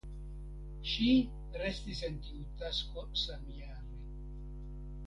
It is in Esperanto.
Ŝi restis en tiu tasko samjare.